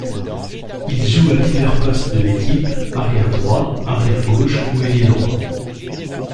Il joue à divers postes de l'équipe, arrière droit, arrière gauche ou ailier droit.